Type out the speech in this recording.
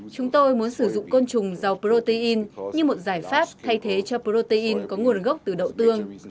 chúng tôi muốn sử dụng côn trùng dầu protein như một giải pháp thay thế cho protein có nguồn gốc từ đậu tương